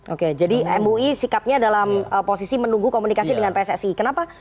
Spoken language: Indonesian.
oke jadi mui sikapnya dalam posisi menunggu komunikasi dengan pssi kenapa